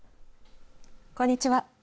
こんにちは。